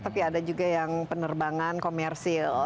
tapi ada juga yang penerbangan komersil